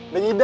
deng idam dia